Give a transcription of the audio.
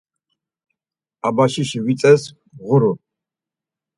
Abaşişi Vitzes ğuru.